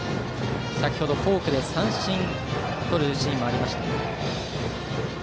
先程、フォークで三振をとるシーンもありました。